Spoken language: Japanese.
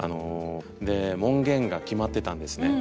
門限が決まってたんですね。